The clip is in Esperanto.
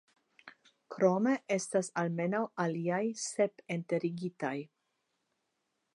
Krome estas almenaŭ aliaj sep enterigitaj.